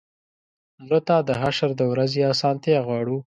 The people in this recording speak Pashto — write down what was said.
مړه ته د حشر د ورځې آسانتیا غواړو